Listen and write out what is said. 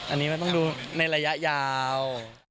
อันนี้มันต้องดูในระยะยาว